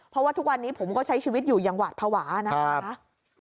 เพราะว่าทุกวันนี้ผมก็ใช้ชีวิตอยู่อย่างหวาดภาวะนะคะ